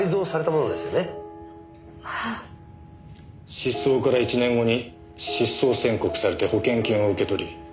失踪から１年後に失踪宣告されて保険金を受け取り